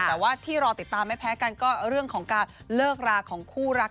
แต่ว่าที่รอติดตามไม่แพ้กันก็เรื่องของการเลิกราของคู่รัก